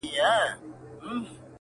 o چيغې د شپې فضا ډکوي ډېر,